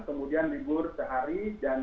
kemudian libur sehari